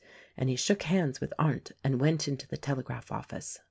and he shook hands with Arndt and went into the telegraph office.